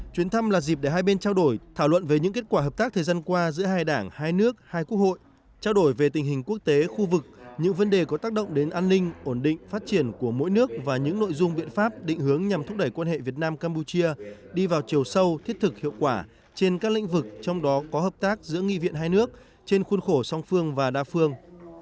chuyến thăm là dịp để hai bên trao đổi thảo luận về những kết quả hợp tác thời gian qua giữa hai đảng hai nước hai quốc hội trao đổi về tình hình quốc tế khu vực những vấn đề có tác động đến an ninh ổn định phát triển của mỗi nước và những nội dung biện pháp định hướng nhằm thúc đẩy quan hệ việt nam campuchia đi vào chiều sâu thiết thực hiệu quả trên các lĩnh vực trong đó có hợp tác giữa nghi viện hai nước trên khuôn khổ song phương và đa phương